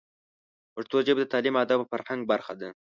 پښتو ژبه د تعلیم، ادب او فرهنګ برخه ده.